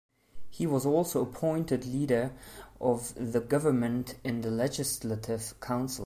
He was also appointed Leader of the Government in the Legislative Council.